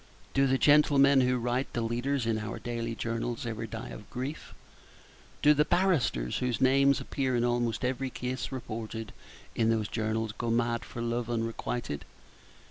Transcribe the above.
Do the gentlemen who write the leaders in our daily journals ever die of grief? Do the barristers whose names appear in almost every case reported in those journals go mad for love unrequited?